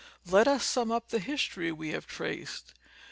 Let us sum up the history we have traced.